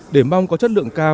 để mong có chất lượng cao